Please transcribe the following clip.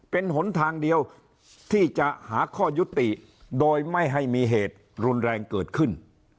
เป็นหนทางเดียวที่จะหาข้อยุติโดยไม่ให้มีเหตุรุนแรงเกิดขึ้น